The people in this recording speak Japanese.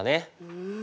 うん。